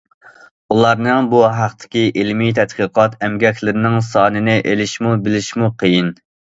ئۇلارنىڭ بۇ ھەقتىكى ئىلمىي تەتقىقات ئەمگەكلىرىنىڭ سانىنى ئېلىشمۇ، بىلىشمۇ قىيىن.